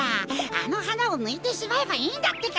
あのはなをぬいてしまえばいいんだってか。